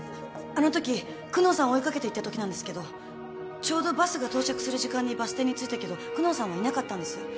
あのとき久能さん追い掛けていったときなんですけどちょうどバスが到着する時間にバス停に着いたけど久能さんはいなかったんです。